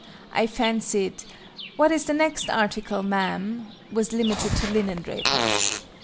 I fancied "What is the next article, Ma'am?" was limited to linendrapers.